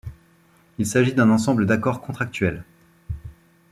Il s'agit d'un ensemble d'accords contractuels.